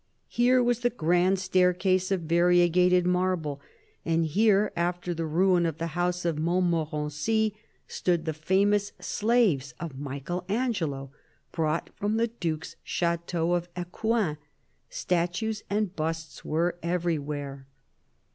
Here was the grand staircase of variegated marble ; and here, after the ruin of the House of Montmorency, stood the famous Slaves of Michel Angelo, brought from the Duke's Chateau of Ecouen. Statues and busts wer e everywhere.